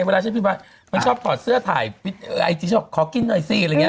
เวลามันกล้อบกอดเสื้อถ่ายไอ้ที่ชอบขอกินน่ะไอ้ซีใบเงี้ย